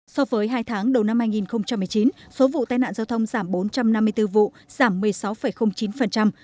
so với hai tháng đầu năm hai nghìn một mươi chín số vụ tai nạn giao thông giảm bốn trăm năm mươi bốn vụ giảm một mươi sáu chín